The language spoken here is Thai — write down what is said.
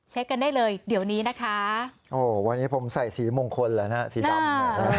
กันได้เลยเดี๋ยวนี้นะคะโอ้วันนี้ผมใส่สีมงคลเหรอนะสีดำ